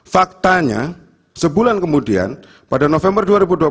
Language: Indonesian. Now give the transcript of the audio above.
faktanya sebulan kemudian pada november dua ribu dua puluh